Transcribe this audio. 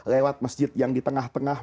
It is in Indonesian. lewat masjid yang di tengah tengah